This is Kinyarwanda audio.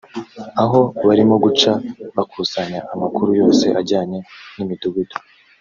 Aho barimo guca bakusanya amakuru yose ajyanye n’imidugudu